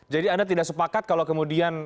jadi anda tidak sepakat kalau kemudian